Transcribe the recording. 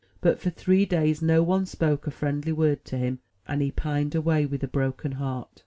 But for three days no one spoke a friendly word to him, and he pined away with a broken heart.